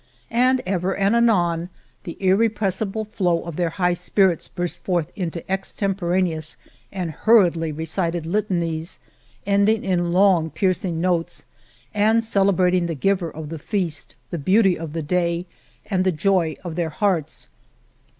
And ever and anon, the irrepressible flow of their high spirits burst forth into extempo raneous and hurriedly recited litanies, ending in long, piercing notes, and celebrating the giver of the feast, the beauty of the day, and the joy of their hearts.